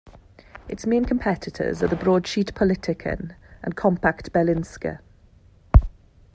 Its main competitors are the broadsheet "Politiken" and compact "Berlingske".